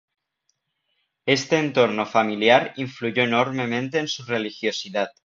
Este entorno familiar influyó enormemente en su religiosidad.